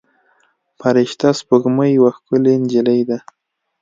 فرشته سپوږمۍ یوه ښکلې نجلۍ ده.